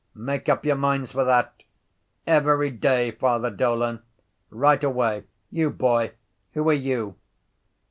Make up your minds for that. Every day Father Dolan. Write away. You, boy, who are you?